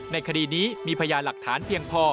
ในคดีนี้มีพยานหลักฐานเพียงพอ